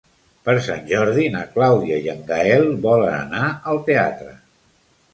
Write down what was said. Per Sant Jordi na Clàudia i en Gaël volen anar al teatre.